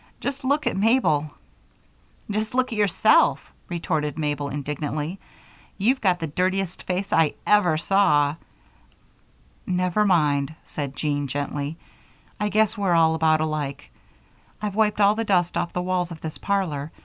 Just look at Mabel." "Just look at yourself!" retorted Mabel, indignantly. "You've got the dirtiest face I ever saw." "Never mind," said Jean, gently. "I guess we're all about alike. I've wiped all the dust off the walls of this parlor.